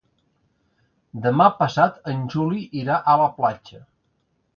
Demà passat en Juli irà a la platja.